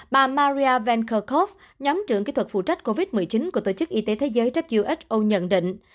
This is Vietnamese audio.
bà maria venkakov nhóm trưởng kỹ thuật phụ trách covid một mươi chín của tổ chức y tế thế giới who nhận định